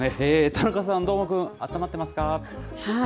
田中さん、どーもくん、あったまってますか？